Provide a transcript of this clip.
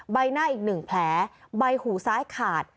ใบหน้าอีก๑แผลใบหูซ้ายขาด